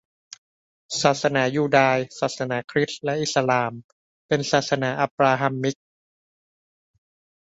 ศาสนายูดาย ศาสนาคริสต์และอิสลาม เป็น ศาสนาอับบราฮัมมิก